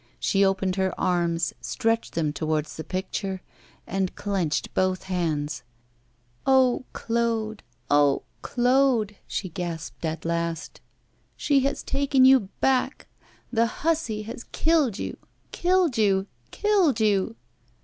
She opened her arms, stretched them towards the picture, and clenched both hands. 'Oh, Claude! oh, Claude!' she gasped at last, 'she has taken you back the hussy has killed you, killed you, killed you!